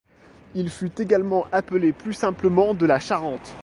Il fut également appelé plus simplement de la Charente.